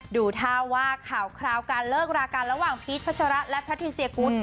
ดูท่าว่าข่าวคราวการเลิกรากันระหว่างพีชพัชระและแพทิเซียกุธ